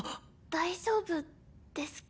大丈夫ですか？